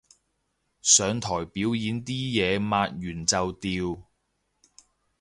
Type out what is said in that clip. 上台表演啲嘢抹完就掉